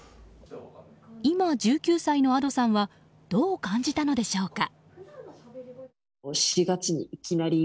今１９歳のＡｄｏさんはどう感じたのでしょうか。